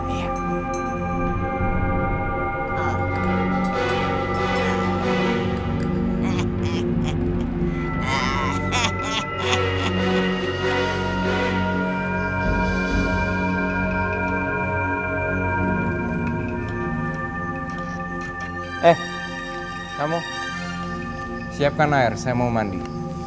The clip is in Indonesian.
eh kamu siapkan air saya mau mandi